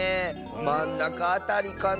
まんなかあたりかな？